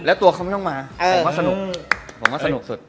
และตัวเข้ามาผมว่าสนุกสุด